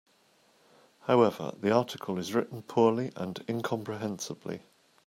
However, the article is written poorly and incomprehensibly.